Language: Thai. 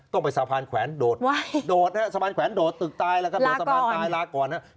ต้องไปสะพานแขวนโดดโดดฮะสะพานแขวนโดดตึกตายแล้วก็โดดสะพานตายลาก่อนนะครับ